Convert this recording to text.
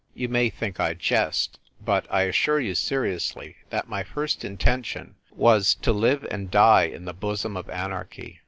You may think I jest, but I assure you seriously that my first intention was to live and die in the bosom of anarchy.